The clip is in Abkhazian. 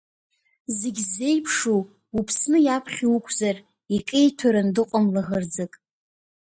Зегь ззеиԥшу, уԥсны иаԥхьа уқәзар, икеиҭәаран дыҟам лаӷырӡык.